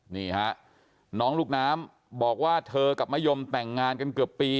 นี่ฮะน้องลูกน้ำบอกว่าเธอกับมะยมแต่งงานกันเกือบปี